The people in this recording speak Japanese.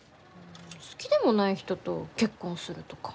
ん好きでもない人と結婚するとか。